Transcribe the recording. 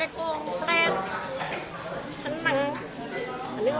ini beras dari masjid sini dan setahun cuma satu kali ya